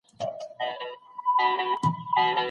د اسلام مبارک دين د هر چا دپاره بریا ده.